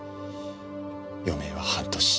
余命は半年。